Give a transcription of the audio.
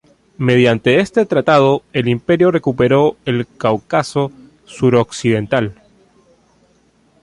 Mediante este tratado, el imperio recuperó el Cáucaso suroccidental.